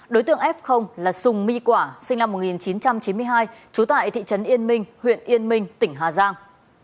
đối tượng f là sùng my quả sinh năm một nghìn chín trăm chín mươi hai trú tại thị trấn yên minh huyện yên minh tỉnh hà giang